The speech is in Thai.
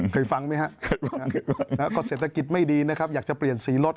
เคยฟังไหมฮะก็เศรษฐกิจไม่ดีนะครับอยากจะเปลี่ยนสีรถ